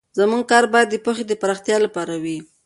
زموږ کار باید د پوهې د پراختیا لپاره وي.